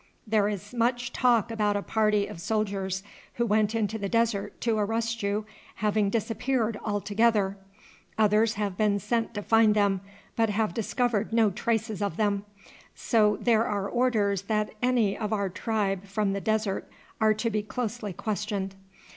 There is much talk about a party of soldiers who went into the desert to arrest you having disappeared altogether; others have been sent to find them, but have discovered no traces of them, so there are orders that any of our tribe from the desert are to be closely questioned.